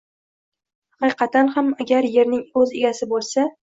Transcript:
Haqiqatan ham agar yerning o‘z egasi bo‘lsa